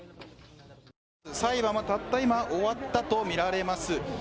裁判はたった今、終わったとみられます。